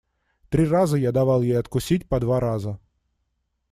Три раза я давал ей откусить по два раза.